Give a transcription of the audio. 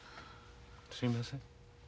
すいません。